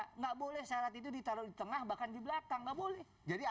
tidak boleh syarat itu ditaruh di tengah bahkan di belakang nggak boleh